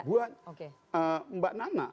buat mbak nana